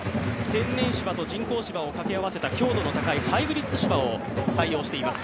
天然芝と人工芝を掛け合わせた強度の高い、ハイブリッド芝を採用しています。